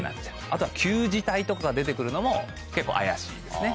あとは旧字体とかが出て来るのも結構怪しいですね。